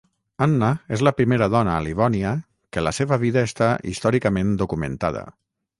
Anna és la primera dona a Livònia, que la seva vida està històricament documentada.